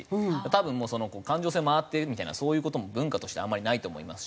多分もう環状線回ってみたいなそういう事も文化としてあんまりないと思いますし。